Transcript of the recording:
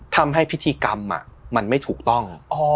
ทำให้พิธีกรรมมันไม่ถูกต้อง